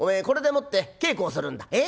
これでもって稽古をするんだ」。